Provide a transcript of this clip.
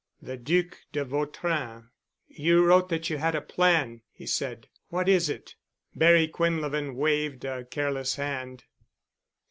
The Duc de Vautrin—— "You wrote that you had a plan," he said. "What is it?" Barry Quinlevin waved a careless hand.